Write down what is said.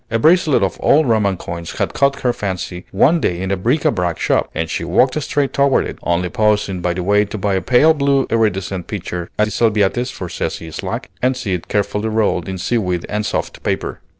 A bracelet of old Roman coins had caught her fancy one day in a bric à brac shop, and she walked straight toward it, only pausing by the way to buy a pale blue iridescent pitcher at Salviate's for Cecy Slack, and see it carefully rolled in seaweed and soft paper.